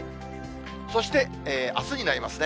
そしてあすになりますね。